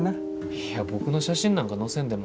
いや僕の写真なんか載せんでも。